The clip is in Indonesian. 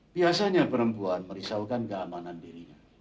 biasanya perempuan merisaukan keamanan dirinya